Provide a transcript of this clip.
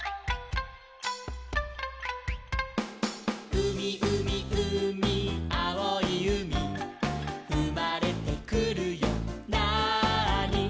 「うみうみうみあおいうみ」「うまれてくるよなあに」